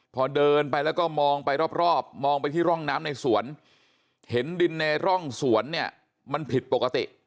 พอเดินไปแล้วก็มองไปรอบมองไปที่ร่องน้ำในสวนเห็นดินในร่องสวนเนี่ยมันผิดปกติ